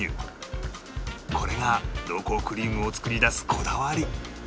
これが濃厚クリームを作り出すこだわり